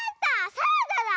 サラダだ！